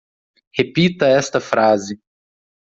Repita esta frase